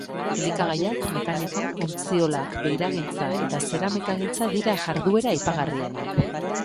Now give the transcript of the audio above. Elikagaiak, mekanika, ontziolak, beiragintza eta zeramikagintza dira jarduera aipagarrienak.